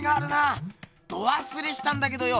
どわすれしたんだけどよ